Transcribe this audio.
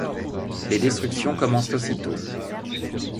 Les destructions commencent aussitôt.